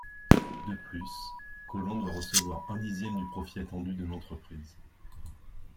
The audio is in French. De plus, Colomb doit recevoir un dixième du profit attendu de l'entreprise.